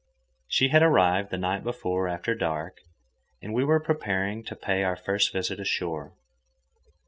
She had arrived the night before, after dark, and we were preparing to pay our first visit ashore.